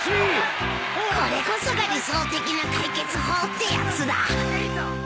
これこそが理想的な解決法ってやつだ。